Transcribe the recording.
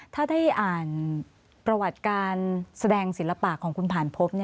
ถ้าได้อ่านประวัติการแสดงศิลปะของคุณผ่านพบ